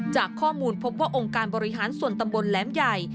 จากข้อมูลพบว่าองค์การบริหารส่วนตำบลแหลมใหญ่